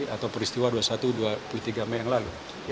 atau peristiwa dua puluh satu dua puluh tiga mei yang lalu